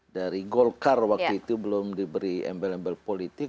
dari golkar waktu itu belum diberi embel embel politik